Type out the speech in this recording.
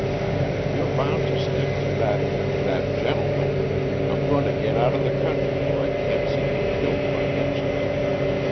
If you're bound to stick to that that gentleman, I'm going to get outa the country where I can't see you killed by inches.